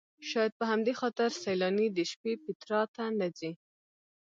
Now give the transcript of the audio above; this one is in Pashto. شاید په همدې خاطر سیلاني د شپې پیترا ته نه ځي.